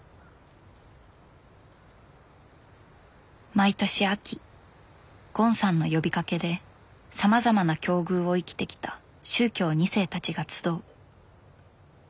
毎年秋ゴンさんの呼びかけでさまざまな境遇を生きてきた宗教２世たちが集う。